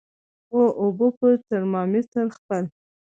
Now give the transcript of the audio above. او اوبو په ترمامیټر خپل